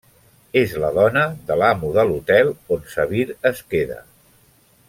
És la dona de l'amo de l'hotel on Sabir es queda.